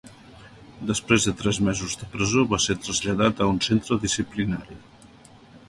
Després de tres mesos de presó va ser traslladat a un centre disciplinari.